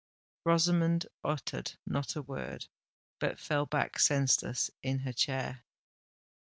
Rosamond uttered not a word, but fell back senseless in her chair.